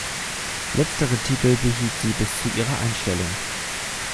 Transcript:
Letzteren Titel behielt sie bis zu ihrer Einstellung.